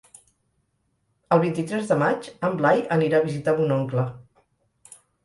El vint-i-tres de maig en Blai anirà a visitar mon oncle.